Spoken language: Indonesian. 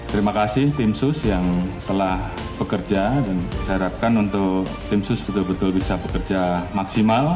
terima kasih tim sus yang telah bekerja dan saya harapkan untuk tim sus betul betul bisa bekerja maksimal